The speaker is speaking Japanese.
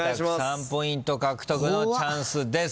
３ポイント獲得のチャンスです。